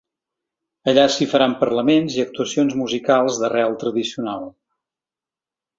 Allà s’hi faran parlaments i actuacions musicals d’arrel tradicional.